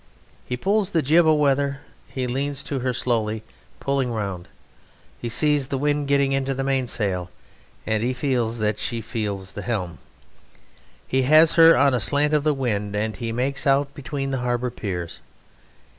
He pulls the jib a weather, he leans to her slowly pulling round, he sees the wind getting into the mainsail, and he feels that she feels the helm. He has her on a slant of the wind, and he makes out between the harbour piers.